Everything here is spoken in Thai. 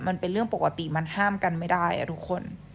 มันเป็นเรื่องปกติมันห้ามกันไม่ได้ทุกคน